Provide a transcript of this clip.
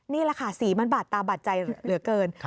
นี่แหละค่ะสีมันบาดตาบาดใจเหลือเกิน